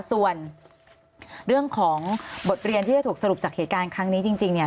ส่วนเรื่องของบทเรียนที่จะถูกสรุปจากเหตุการณ์ครั้งนี้จริงเนี่ย